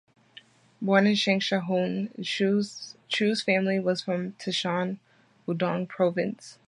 Born in Changsha, Hunan, Chu's family was from Taishan, Guangdong Province.